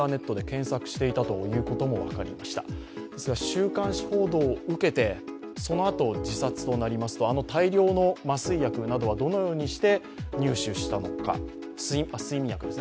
週刊誌報道を受けてそのあと自殺となりますとあの大量の睡眠薬などはどのようにして入手したのか。